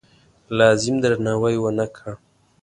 لازم درناوی ونه کړ.